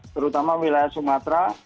terutama wilayah sumatra